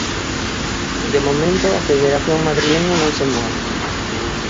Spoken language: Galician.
De momento, a federación madrileña non se move.